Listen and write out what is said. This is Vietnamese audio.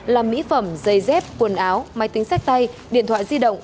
là mỹ phẩm dây dép quần áo máy tính sách tay điện thoại di động